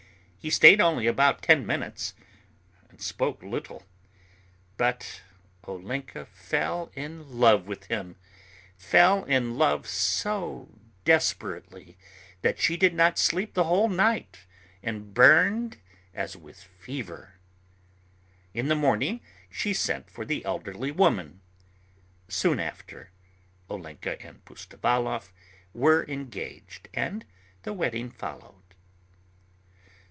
He stayed only about ten minutes, and spoke little, but Olenka fell in love with him, fell in love so desperately that she did not sleep the whole night and burned as with fever. In the morning she sent for the elderly woman. Soon after, Olenka and Pustovalov were engaged, and the wedding followed.